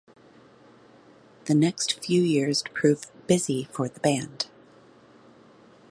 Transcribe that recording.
The next few years proved busy for the band.